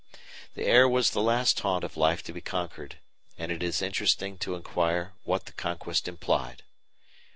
The air was the last haunt of life to be conquered, and it is interesting to inquire what the conquest implied.